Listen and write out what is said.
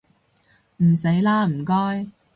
唔使喇唔該